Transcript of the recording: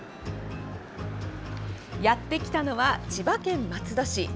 やってきたのは千葉県松戸市。